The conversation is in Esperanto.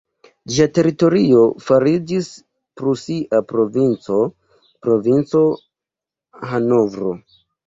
Ĝia teritorio fariĝis prusia provinco, "provinco Hanovro".